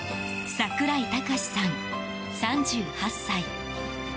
櫻井崇史さん、３８歳。